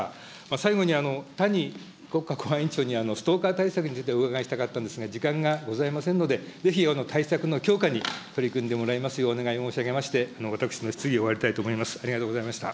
最後に谷国家公安委員長にストーカー対策についてお伺いしたかったのですが、時間がありませんので、ぜひ対策の強化に取り組んでいただきたいと、お願い申し上げまして、私の質疑を終わりたいと思います。